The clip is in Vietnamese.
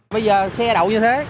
bây giờ xe đậu như thế